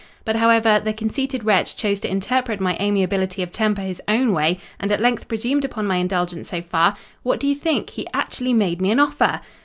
But, however, the conceited wretch chose to interpret my amiability of temper his own way, and at length presumed upon my indulgence so far—what do you think?—he actually made me an offer!"